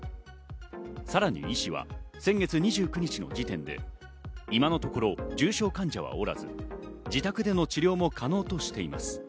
さらに医師は先月２９日の時点で今のところ重症患者はおらず、自宅での治療も可能としています。